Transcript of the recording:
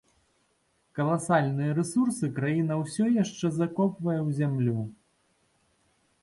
Каласальныя рэсурсы краіна ўсё яшчэ закопвае ў зямлю.